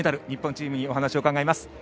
日本チームにお話を伺います。